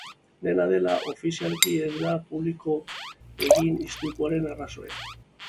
Dena dela, ofizialki ez da publiko egin istripuaren arrazoia.